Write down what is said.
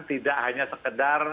tidak hanya sekedar